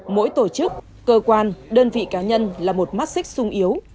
mỗi tổ chức cơ quan đơn vị cá nhân là một mắt xích sung yếu